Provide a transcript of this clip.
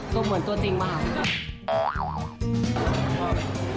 ตัวเหมือนตัวจริงมาก